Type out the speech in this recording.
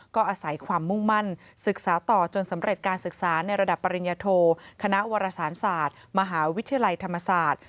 ก็อาศัยความมุ่งมั่นศึกษาต่อจนสำเร็จการศึกษาในระดับปริญญโทคณะวรสารศาสตร์มหาวิทยาลัยธรรมศาสตร์